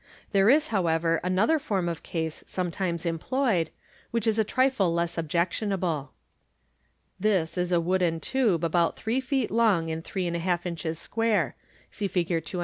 There is, however, another form of case some times employed, which is a trifle less objectionable. This is a wooden tube, about three feet long, and three and a half inches square. (See Fig. 260.)